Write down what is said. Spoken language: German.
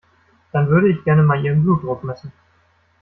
Dann würde ich gerne mal Ihren Blutdruck messen.